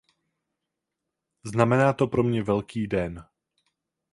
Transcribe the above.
Znamená to pro mě velký den.